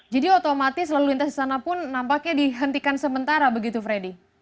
jadi otomatis lalu lintas di sana pun nampaknya dihentikan sementara begitu freddy